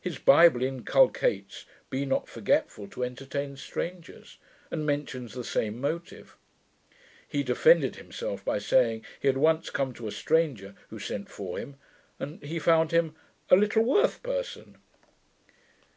His Bible inculcates 'be not forgetful to entertain strangers', and mentions the same motive. He defended himself by saying, he had once come to a stranger who sent for him; and he found him 'a little worth person!'